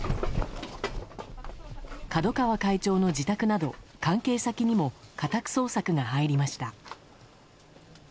角川会長の自宅など関係先にも家宅捜索が入りました。